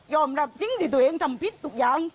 ยอมรับซิ้งที่ตัวเองทำพิษทุกอย่าง